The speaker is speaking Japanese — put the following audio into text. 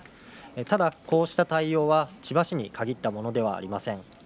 ただ、こうした対応は千葉市に限ったものではありません。